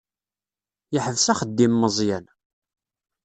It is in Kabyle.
Yeḥbes axeddim Meẓyan.